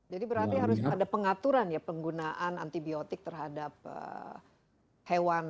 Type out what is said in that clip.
berarti harus ada pengaturan ya penggunaan antibiotik terhadap hewan